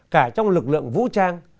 cả trong lực lượng vũ trang